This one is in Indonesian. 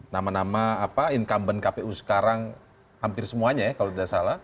nama nama incumbent kpu sekarang hampir semuanya ya kalau tidak salah